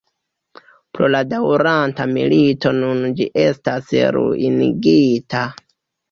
Pro la daŭranta milito nun ĝi estas ruinigita.